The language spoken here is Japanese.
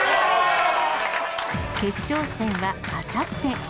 決勝戦はあさって。